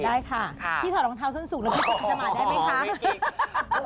ได้ค่ะพี่ถอดรองเท้าส้นสูงแล้วพี่ก็จะมาได้ไหมคะ